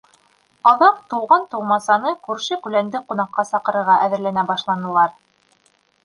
Аҙаҡ туған-тыумасаны, күрше-күләнде ҡунаҡҡа саҡырырға әҙерләнә башланылар.